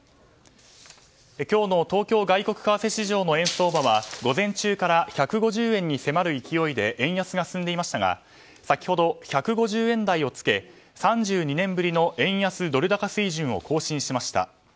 今日の東京外国為替市場の円相場は午前中から１５０円に迫る勢いで円安が進んでいましたが先ほど１５０円台をつけ３２年ぶりの円安ドル高水準を更新しました。